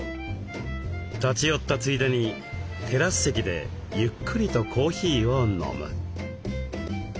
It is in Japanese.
立ち寄ったついでにテラス席でゆっくりとコーヒーを飲む。